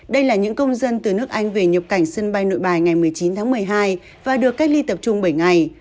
đây là những công dân từ nước anh về nhập cảnh sân bay nội bài ngày một mươi chín tháng một mươi hai và được cách ly tập trung bảy ngày